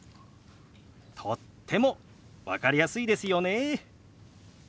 とっても分かりやすいですよね。